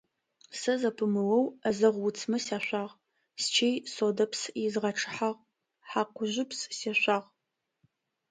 Сэ зэпымыоу ӏэзэгъу уцмэ сяшъуагъ, счый содэпс изгъэчъыхьагъ, хьакъужъыпс сешъуагъ.